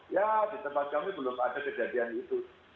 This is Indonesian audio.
ya di tempat kami belum ada kejadian itu